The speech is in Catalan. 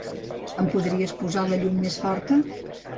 Em podries posar la llum més forta?